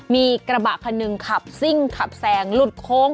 มีกระบะคันหนึ่งขับซิ่งขับแซงหลุดโค้ง